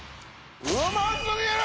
うますぎる！